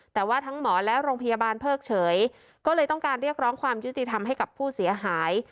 แต่ว่าทั้งหมอและโรงพยาบาลเพิกเฉยก็เลยต้องการเรียกร้องความยุติธรรมให้กับผู้เสียหาย